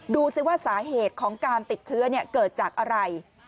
ดูสิว่าสาเหตุของการติดเชื้อเกิดจากอะไร